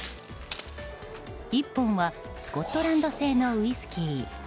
１本はスコットランド製のウイスキー。